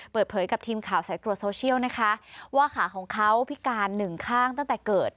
เปิดเผยกับทีมข่าวสายตรวจโซเชียลนะคะว่าขาของเขาพิการหนึ่งข้างตั้งแต่เกิด